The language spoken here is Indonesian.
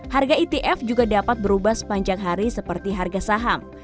harga etf juga dapat berubah sepanjang hari seperti harga saham